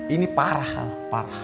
ini parah al parah